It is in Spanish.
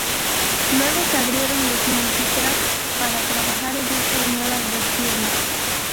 Luego se abrieron los multi-tracks, para trabajar en estas nuevas versiones.